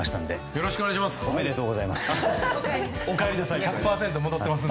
よろしくお願いします。